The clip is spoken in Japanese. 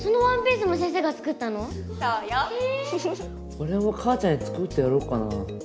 おれも母ちゃんに作ってやろうかな。